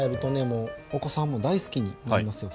もうお子さんも大好きになりますよ。